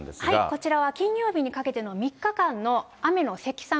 こちらは金曜日にかけての３日間の雨の積算